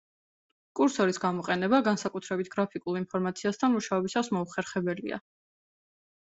კურსორის გამოყენება, განსაკუთრებით გრაფიკულ ინფორმაციასთან მუშაობისას მოუხერხებელია.